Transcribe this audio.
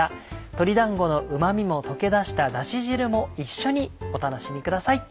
鶏だんごのうまみも溶け出しただし汁も一緒にお楽しみください。